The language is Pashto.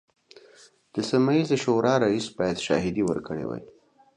د سیمه ییزې شورا رئیس باید شاهدې ورکړي وای.